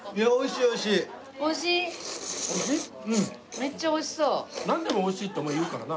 めっちゃおいしそう。